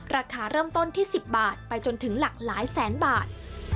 ราคาเริ่มต้นที่๑๐บาทไปจนถึงหลากหลายแสนบาท